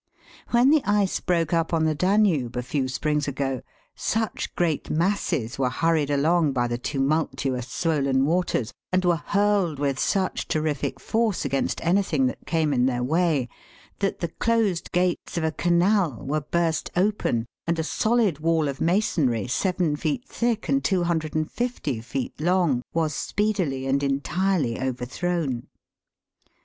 When the ice broke up on the Danube a few springs ago, such great masses were hurried along by the tumultuous, swollen waters, and were hurled with such terrific force against anything that came in their way, that the closed gates of a canal were burst open, and a solid wall of masonry, seven feet thick and 2 50 feet long, was speedily and entirely overthrown.